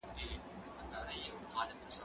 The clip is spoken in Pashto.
که وخت وي کتابونه وليکم